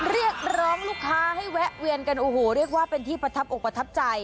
เรียกร้องลูกค้าให้แวะเวียนกันโอ้โหเรียกว่าเป็นที่ประทับอกประทับใจ